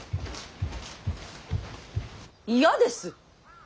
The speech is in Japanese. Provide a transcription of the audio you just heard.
嫌です。